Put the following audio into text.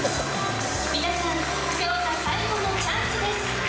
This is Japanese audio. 皆さん、きょうが最後のチャンスです。